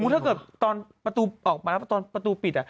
ถ้าเกิดตอนประตูออกมาแล้วตอนประตูปิด